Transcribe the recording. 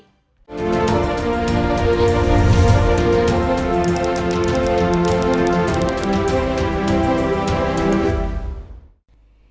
cảm ơn các bạn đã theo dõi